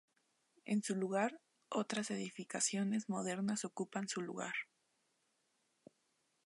En su lugar, otras edificaciones modernas ocupan su lugar.